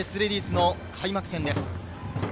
レディースの開幕戦です。